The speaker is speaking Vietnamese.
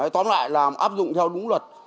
tóm lại là áp dụng theo đúng luật